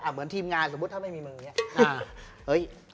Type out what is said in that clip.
เหมือนทีมงานสมมุติถ้าไม่มีมืออย่างนี้